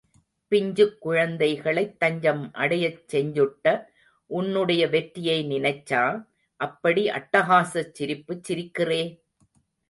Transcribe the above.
பிஞ்சுக் குழந்தைகளைத் தஞ்சம் அடையச் செஞ்சுட்ட, உன்னுடைய வெற்றியை நினைச்சா அப்படி அட்டகாசச் சிரிப்புச் சிரிக்கிறே?